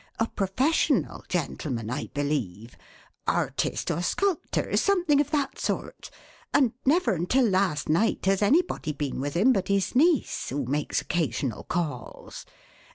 A professional gentleman, I believe artist or sculptor, something of that sort and never until last night has anybody been with him but his niece, who makes occasional calls.